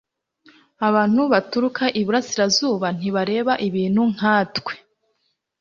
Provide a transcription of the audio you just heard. abantu baturuka iburasirazuba ntibareba ibintu nkatwe